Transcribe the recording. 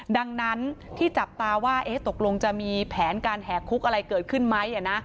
ดังนั้นที่จับตาว่าตกลงจะมีแผนการแห่คุกอะไรเกิดขึ้นไหม